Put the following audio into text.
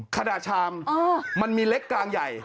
ขนาดชามมันมีเล็กกลางใหญ่